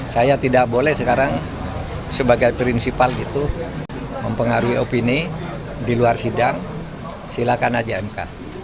saya tidak boleh sekarang sebagai prinsipal itu mempengaruhi opini di luar sidang silakan aja mk